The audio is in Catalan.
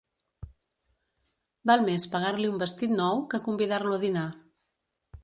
Val més pagar-li un vestit nou, que convidar-lo a dinar.